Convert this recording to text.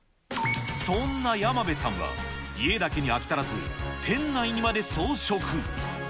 そんな山辺さんは、家だけに飽き足らず、店内にまで装飾。